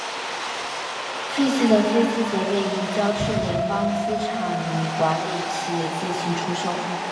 废弃的飞机则被移交至联邦资产管理企业进行出售。